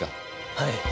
はい。